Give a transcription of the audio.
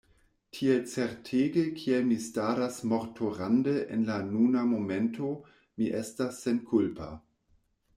Tiel certege kiel mi staras mortorande en la nuna momento, mi estas senkulpa.